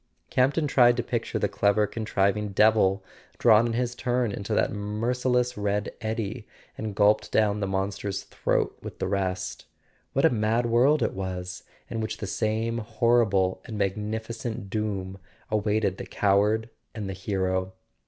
Campton tried to picture the clever contriving devil drawn in his turn into that merciless red eddy, and gulped down the Monster's throat with the rest. What a mad world it was, in which the same horrible and magnificent doom awaited the coward and the hero!